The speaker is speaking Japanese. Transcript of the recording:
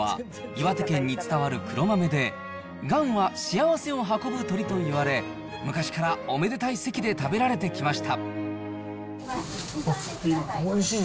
雁喰豆は、岩手県に伝わる黒豆で、がんは幸せを運ぶ鳥といわれ、昔からおめでたい席で食べられてきました。